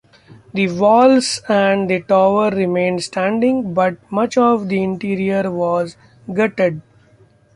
The walls and the tower remained standing but much of the interior was gutted.